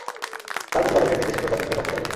তার প্রতিপালকের নির্দেশে তা সবকিছুকে ধ্বংস করে ফেলবে।